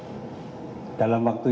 dan saya juga mendengar rumor